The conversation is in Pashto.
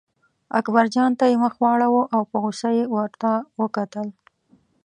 اکبرجان ته یې مخ واړاوه او په غوسه یې ورته وکتل.